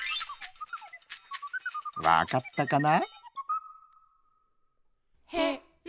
わかったかな？